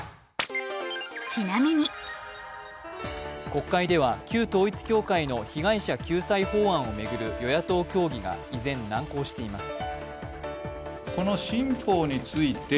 国会では旧統一教会の被害者救済を巡る与野党協議が依然、難航しています